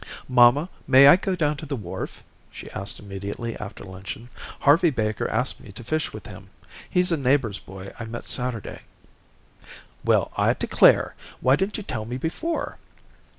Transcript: "Mamma, may I go down to the wharf?" she asked immediately after luncheon. "Harvey Baker asked me to fish with him. He's a neighbor's boy I met Saturday." "Well, I declare. Why didn't you tell me before?"